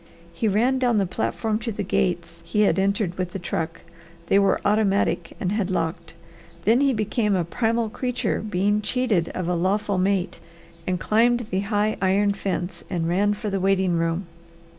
He ran down the platform to the gates he had entered with the truck. They were automatic and had locked. Then he became a primal creature being cheated of a lawful mate and climbed the high iron fence and ran for the waiting room.